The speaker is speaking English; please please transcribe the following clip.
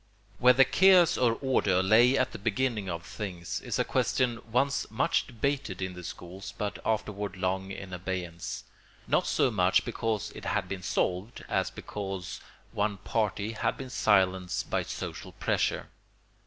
] Whether Chaos or Order lay at the beginning of things is a question once much debated in the schools but afterward long in abeyance, not so much because it had been solved as because one party had been silenced by social pressure.